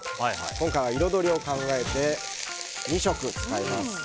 今回は彩りを考えて２色使います。